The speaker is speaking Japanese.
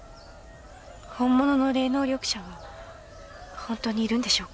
本物の霊能力者は本当にいるんでしょうか？